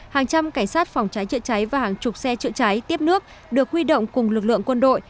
hàng trăm cảnh sát phòng cháy chữa cháy và hàng chục xe chữa cháy tiếp nước được huy động cùng lực lượng quân đội